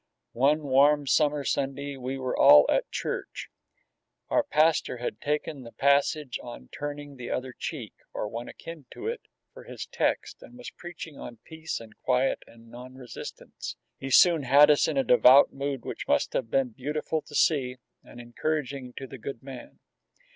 One warm summer Sunday we were all at church. Our pastor had taken the passage on turning the other cheek, or one akin to it, for his text, and was preaching on peace and quiet and non resistance. He soon had us in a devout mood which must have been beautiful to see and encouraging to the good man.